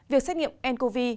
việc xét nghiệm ncov